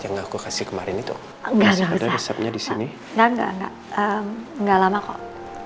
enggak enggak enggak lama kok